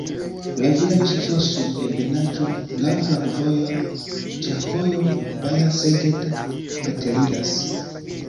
La vilaĝo situas sur ebenaĵo, laŭ flankovojoj, ĉefvojo Baja-Szeged preteriras.